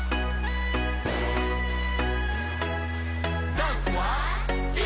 ダンスはＥ！